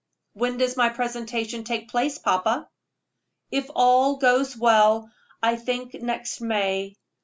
"When does my presentation take place, papa?" "If all goes well, I think next May.